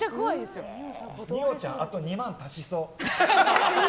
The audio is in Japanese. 二葉ちゃん、あと２万足しそう。